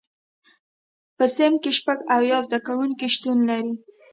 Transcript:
په صنف کې شپږ اویا زده کوونکي شتون لري.